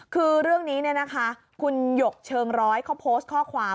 คือเรื่องนี้คุณหยกเชิงร้อยเขาโพสต์ข้อความ